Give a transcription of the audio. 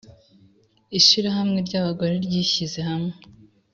ishirahamwe ry’ abagore ryishize hamwe